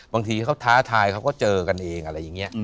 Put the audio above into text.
บางทีเขาท้าทายเขาก็เจอกันเองอะไรอย่างนี้